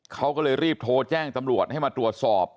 เขาก็เลยรีบโทรแจ้งตำรวจให้มาตรวจสอบ